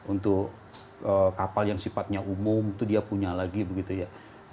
untuk kapal yang sifatnya umum itu dia punya lagi begitu ya